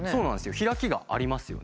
開きがありますよね。